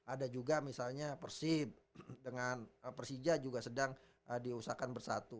ada juga misalnya persib dengan persija juga sedang diusahakan bersatu